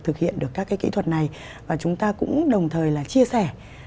thực hiện được các cái kỹ thuật này và chúng ta cũng đồng thời là chia sẻ